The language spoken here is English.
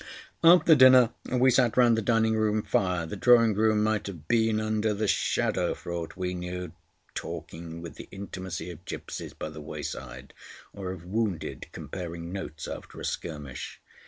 After dinner we sat round the dining room fire—the drawing room might have been under the Shadow for aught we knew—talking with the intimacy of gipsies by the wayside, or of wounded comparing notes after a skirmish.